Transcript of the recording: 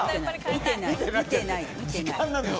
見てない、見てない。